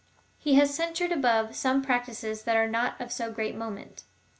He has censured above some practices that are not of so great moment.